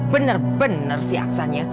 bener bener si aksannya